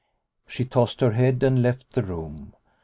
She tossed her head, and left the room.